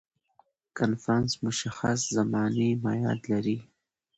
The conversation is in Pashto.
کنفرانس مشخص زماني معیاد لري.